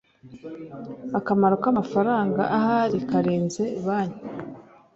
akamaro k amafaranga ahari karenze banki